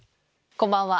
こんばんは。